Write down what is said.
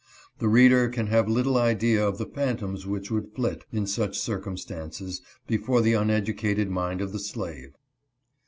The reader can have little idea of the phantoms which would flit, in such circumstances, before the uneducated mind of the slave.